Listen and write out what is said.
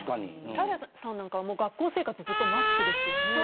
平さんは、学校生活ずっとマスクですよね。